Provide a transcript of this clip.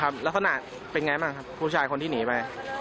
ครับลักษณะเป็นอย่างไรบ้างครับผู้ชายคนที่หนีไป